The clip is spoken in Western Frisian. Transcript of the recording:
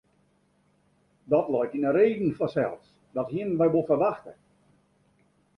Dat leit yn de reden fansels, dat hienen we wol ferwachte.